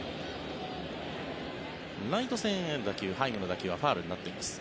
ライト線へ打球ハイムの打球はファウルになっています。